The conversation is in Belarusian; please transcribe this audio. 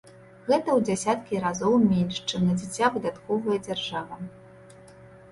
Гэта ў дзесяткі разоў менш, чым на дзіця выдаткоўвае дзяржава.